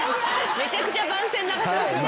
めちゃくちゃ番宣流しますんで。